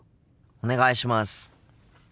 お願いします。